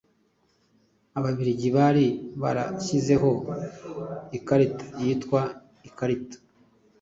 Ababiligi bari barashyizeho ikarita yitwa ikarita